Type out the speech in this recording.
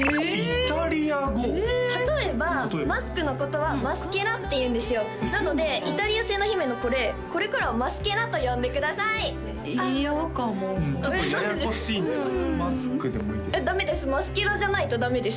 例えばマスクのことはマスケラって言うんですよなのでイタリア製の姫のこれこれからはマスケラと呼んでください嫌かもちょっとややこしいマスクでもダメですマスケラじゃないとダメです